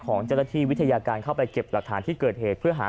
ของเจ้าหน้าที่วิทยาการเข้าไปเก็บหลักฐานที่เกิดเหตุเพื่อหา